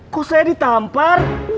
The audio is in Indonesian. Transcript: kok saya ditampar